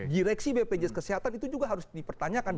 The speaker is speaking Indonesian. direksi bpjs kesehatan itu juga harus dipertanyakan